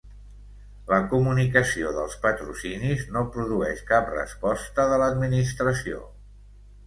La comunicació dels patrocinis no produeix cap resposta de l'Administració.